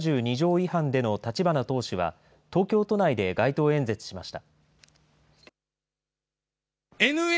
違反での立花党首は東京都内で街頭演説しました。